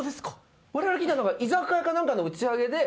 我々聞いたのは居酒屋かなんかの打ち上げで勝った。